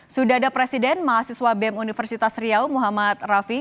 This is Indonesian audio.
sudah ada presiden mahasiswa bem universitas riau muhammad rafi